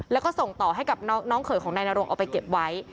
แล้วก็ส่งต่อให้กับน้องเขยของนายนรงเอาไปเก็บไว้